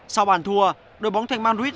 sau bàn thua đội bóng thành madrid